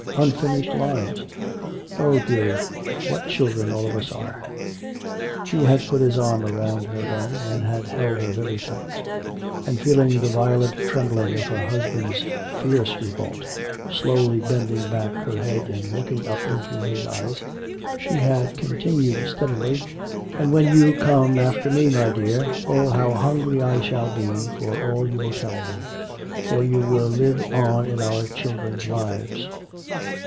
Unfinished lives. Oh, dearie, what children all of us are." He had put his arm around her then and had held her very tight. And feeling the violent trembling of her husband's fierce revolt, slowly bending back her head and looking up into his eyes she had continued steadily: "And when you come after me, my dear, oh, how hungry I shall be for all you will tell me. For you will live on in our children's lives."